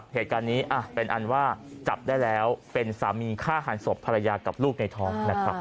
เหตุการณ์นี้เป็นอันว่าจับได้แล้วเป็นสามีฆ่าหันศพภรรยากับลูกในท้องนะครับ